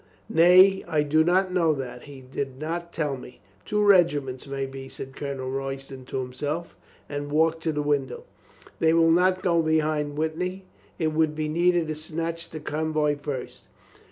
"Nay, I do not know that. He did not tell me." "Two regiments, may be," said Colonel Royston to himself and walked to the window. "They will not go beyond Witney. It would be neater to snatch the convoy first."